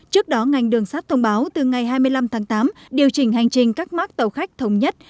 trước đó ngành đường sát thông báo từ ngày hai mươi năm tháng tám điều chỉnh hành trình các mắc tàu khách thống nhất